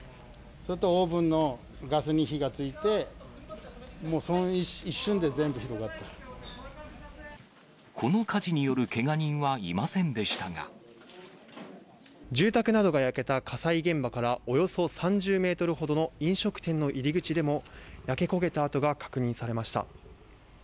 それとオーブンのガスに火がついて、もうその一瞬で、全部広がっこの火事によるけが人はいま住宅などが焼けた火災現場から、およそ３０メートルほどの飲食店の入り口でも、焼け焦げた跡が確認されました。